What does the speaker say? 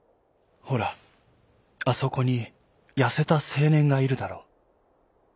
「ほらあそこにやせたせいねんがいるだろう。